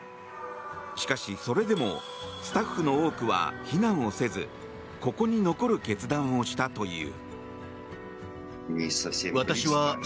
しかし、それでもスタッフの多くは避難をせずここに残る決断をしたという。